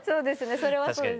それはそうです。